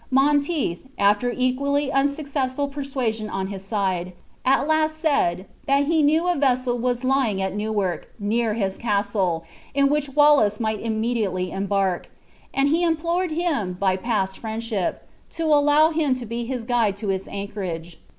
Monteith, after equally unsuccessful persuasion on his side, at last said, that he knew a vessel was lying at Newark, near his castle, in which Wallace might immediately embark: and he implored him, by past friendship, to allow him to be his guide to its anchorage.